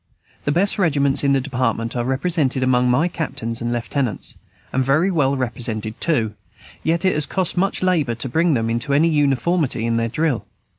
The best regiments in the Department are represented among my captains and lieutenants, and very well represented too; yet it has cost much labor to bring them to any uniformity in their drill.